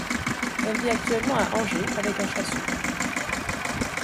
Elle vit actuellement à Angers avec un chat sourd.